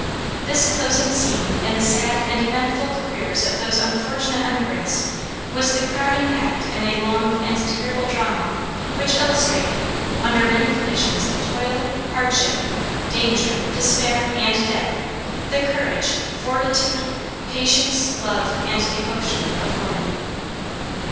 This closing scene in the sad and eventful careers of those unfortunate emigrants was the crowning act in a long and terrible drama which illustrated, under many conditions of toil, hardship, danger, despair, and death, the courage, fortitude, patience, love, and devotion of woman.